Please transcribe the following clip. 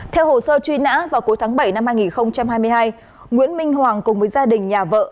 theo hồ sơ truy nã vào cuối tháng bảy năm hai nghìn hai mươi hai nguyễn minh hoàng cùng với gia đình nhà vợ